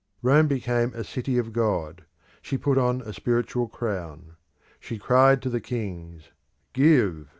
Rome became a city of God: she put on a spiritual crown. She cried to the kings, Give!